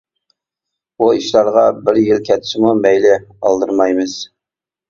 بۇ ئىشلارغا بىر يىل كەتسىمۇ مەيلى، ئالدىرىمايمىز.